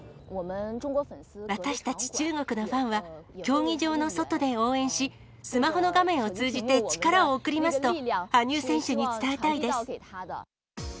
私たち中国のファンは、競技場の外で応援し、スマホの画面を通じて力を送りますと、羽生選手に伝えたいです。